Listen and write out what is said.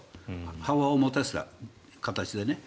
幅を持たせた形でね。